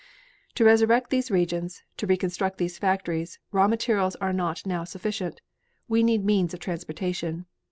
"To resurrect these regions, to reconstruct these factories, raw materials are not now sufficient; we need means of transportation.